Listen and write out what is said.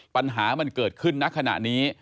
ปัญหามันเกิดขึ้นณขณะนี้